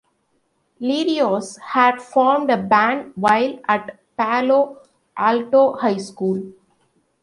Lerios had formed a band while at Palo Alto High School.